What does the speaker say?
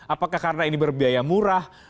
apakah karena ini berbiaya murah